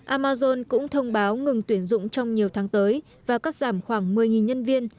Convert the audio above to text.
amazon cũng thông báo ngừng tuyển dụng trong nhiều tháng tới và cắt giảm khoảng một mươi nhân viên